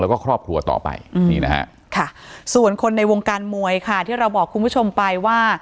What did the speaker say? แล้วก็ครอบครัวต่อไปนี่นะฮะค่ะส่วนคนในวงการมวยค่ะที่เราบอกคุณผู้ชมไปว่า